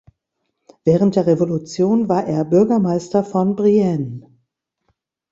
Während der Revolution war er Bürgermeister von Brienne.